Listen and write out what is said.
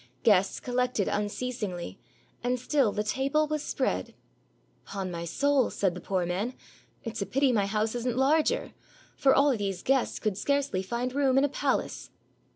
Guests collected unceasingly, and still the table was spread. "Ton my soul," said the poor man, "it's a pity my house is n't larger; for all these guests could scarcely find room in a palace."